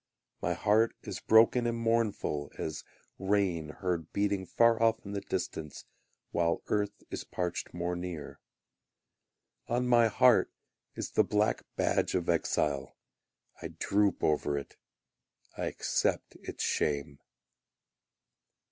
My heart is broken and mournful As rain heard beating Far off in the distance While earth is parched more near. On my heart is the black badge of exile; I droop over it, I accept its shame.